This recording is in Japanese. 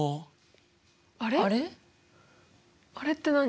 あれって何？